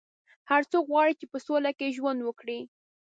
هر څوک غواړي چې په سوله کې ژوند وکړي.